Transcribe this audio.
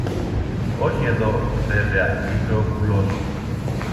Όχι εδώ, βέβαια, είπε ο κουλός.